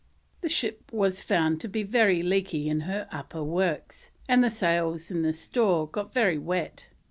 The ship was found to be very leaky in her upper works, and the sails in the store got very wet.